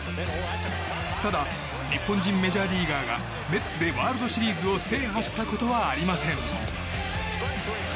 ただ、日本人メジャーリーガーがメッツでワールドシリーズを制覇したことはありません。